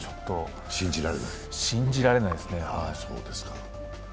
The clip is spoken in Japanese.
信じられないですね。